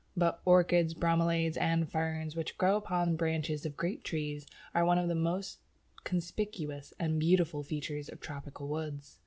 But Orchids, Bromeliads, and Ferns which grow upon the branches of great trees are one of the most conspicuous and beautiful features of tropical woods.